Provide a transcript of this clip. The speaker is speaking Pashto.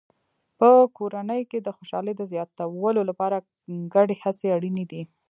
په کورنۍ کې د خوشحالۍ د زیاتولو لپاره ګډې هڅې اړینې دي.